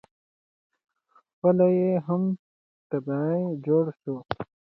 خپله یې هم تبعه جوړه شوه.